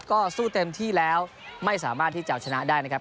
ก็สู้เต็มที่แล้วไม่สามารถที่จะเอาชนะได้นะครับ